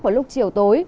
vào lúc chiều tối